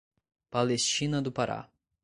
Palestina do Pará